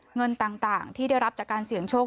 เงินต่างที่ได้รับจากการเสี่ยงโชค